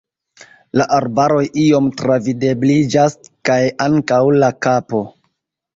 La arboj iom travidebliĝas, kaj ankaŭ la kapo…